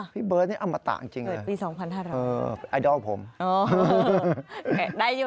พี่เบิร์ดนี่อมตะจริงเลยเออไอดอลผมปี๒๕๐๐